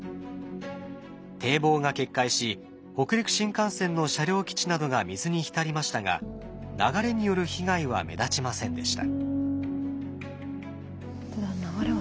堤防が決壊し北陸新幹線の車両基地などが水に浸りましたが流れによる被害は目立ちませんでした。